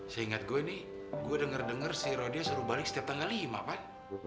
seingat gue nih gue denger denger si rodia suruh balik setiap tanggal lima pak